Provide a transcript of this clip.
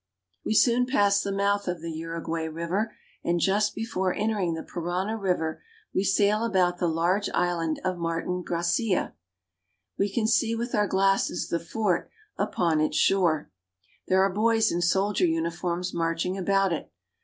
We soon pass the mouth of the Uruguay river, and just before entering the Parana river we sail about the large island of Martin Gracia (gra se'a). We can see with our glasses the fort upon its shore. There are boys in soldier uniforms marching*about it.